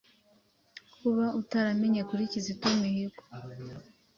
kuba utaramenye kuri Kizito Mihigo.